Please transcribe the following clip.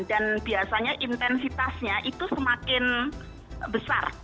biasanya intensitasnya itu semakin besar